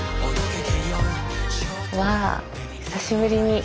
わあ久しぶりに。